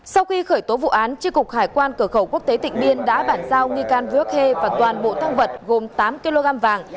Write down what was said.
sau khi khởi tố vụ án tri cục hải quan cửa khẩu quốc tế tỉnh biên đã bản giao nghi can vương hê và toàn bộ thang vật gồm tám kg vàng